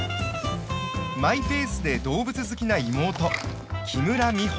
マイペースで動物好きな妹木村美穂。